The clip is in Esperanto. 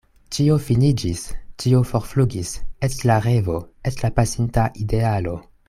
Ĉio finiĝis, ĉio forflugis, eĉ la revo, eĉ la pasinta idealo.